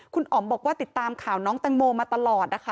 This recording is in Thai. คุณอ๋อมบอกว่าติดตามข่าวน้องแตงโมมาตลอดนะคะ